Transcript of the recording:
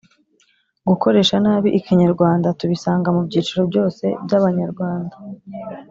gukoresha nabi ikinyarwanda tubisanga mu byiciro byose by’abanyarwanda,